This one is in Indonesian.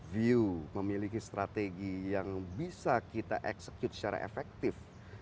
view memiliki strategi yang bisa kita execute secara efektif